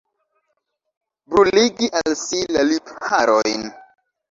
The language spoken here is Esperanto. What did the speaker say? Bruligi al si la lipharojn.